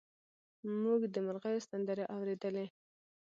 موږ د مرغیو سندرې اورېدلې.